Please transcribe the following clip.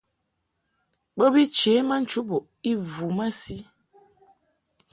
Bo bi chě ma nchubuʼ i vu masi.